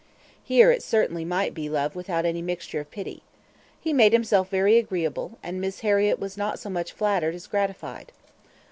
Here it certainly might be love without any mixture of pity. He made himself very agreeable, and Miss Harriett was not so much flattered as gratified.